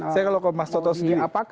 saya kalau ke mas toto sendiri